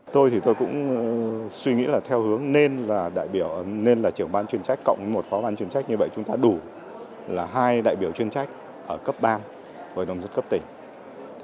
tôi thì tôi cũng suy nghĩ là theo hướng nên là đại biểu nên là trưởng ban chuyên trách cộng một phó ban chuyên trách như vậy chúng ta đủ là hai đại biểu chuyên trách ở cấp bang hội đồng dân cấp tỉnh